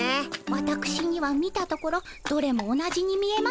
わたくしには見たところどれも同じに見えますが。